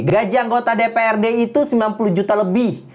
gaji anggota dprd itu sembilan puluh juta lebih